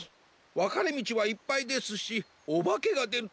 わかれみちはいっぱいですしおばけがでるといううわさも。